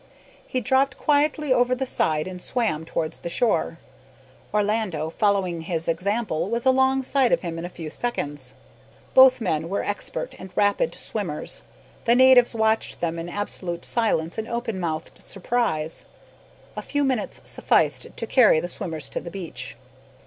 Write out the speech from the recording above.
He dropped quietly over the side and swam towards the shore. Orlando, following his example, was alongside of him in a few seconds. Both men were expert and rapid swimmers. The natives watched them in absolute silence and open mouthed surprise. A few minutes sufficed to carry the swimmers to the beach.